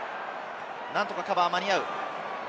なんとかカバーは間に合う。